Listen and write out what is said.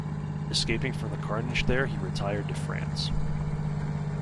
Escaping from the carnage there he retired to France.